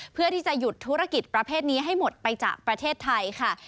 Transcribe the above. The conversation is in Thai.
เพื่อที่จะหยุดธุรกิจประเภทนี้ให้หมดไปจากประเทศไทยค่ะ